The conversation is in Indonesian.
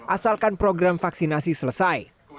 asalkan program vaksinasi selesai